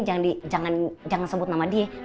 jangan sebut nama dia